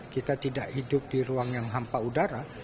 kita tidak hidup di ruang yang hampa udara